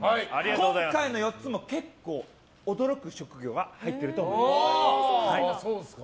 今回の４つも結構驚く職業が入ってると思います。